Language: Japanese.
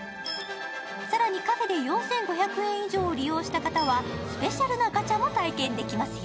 更にカフェで４５００円以上利用した方は、スペシャルなガチャも体験できますよ。